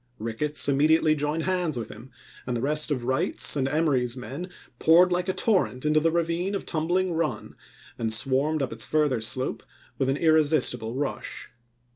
Kicketts immediately joined hands with him, and the rest of Wright's and Emory's men poured like a torrent into the ravine of Tumbling Bun, and swarmed up its further slope with an irresistible rush.